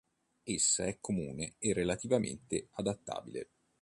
Essa è comune e relativamente adattabile.